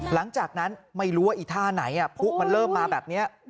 หลังจากนั้นไม่รู้ว่าอีท่าไหนผู้มันเริ่มมาแบบนี้